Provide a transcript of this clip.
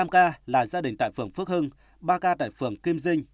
năm ca là gia đình tại phường phước hưng ba ca tại phường kim dinh